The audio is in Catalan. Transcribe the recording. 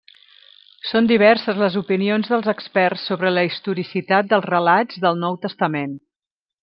Són diverses les opinions dels experts sobre la historicitat dels relats del Nou Testament.